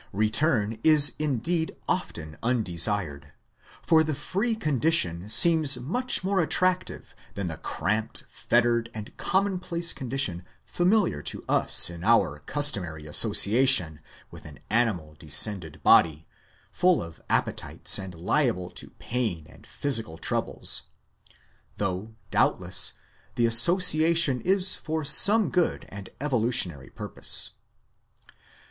1 Return is indeed often undesired, for the free condition seems much more attractive than the cramped, fettered, and commonplace condition familiar to us in our customary associa tion with an animal descended body, full of appetites and liable to pain and physical troubles: though, doubtless, the association is for some good and evolutionary purpose.